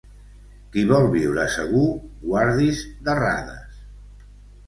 Qui vol viure segur, guardi's d'errades.